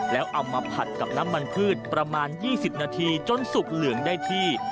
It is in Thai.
แล้วเอามาผัดกับน้ำมันพืชประมาณ๒๐นาทีจนสุกเหลืองได้ที่